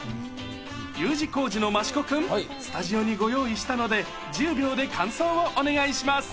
Ｕ字工事の益子君、スタジオにご用意したので、１０秒で感想をお願いします。